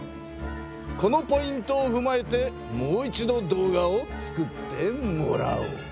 このポイントをふまえてもう一度動画を作ってもらおう。